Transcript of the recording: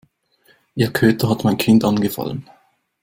Ihr Köter hat mein Kind angefallen.